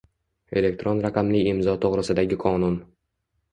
Elektron raqamli imzo to'g'risidagi qonun